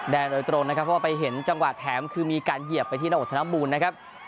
โดยตรงนะครับเพราะว่าไปเห็นจังหวะแถมคือมีการเหยียบไปที่หน้าอกธนบูรณ์นะครับ